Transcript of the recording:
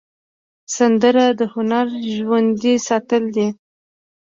سندره د هنر ژوندي ساتل دي